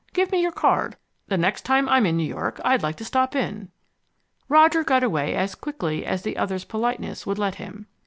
Give me your card. The next time I'm in New York I'd like to stop in." Roger got away as quickly as the other's politeness would let him.